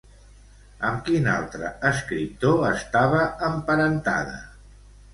Amb quin altre escriptor estava emparentada?